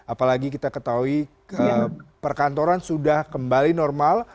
apalagi kita ketahui perkantoran sudah kembali normal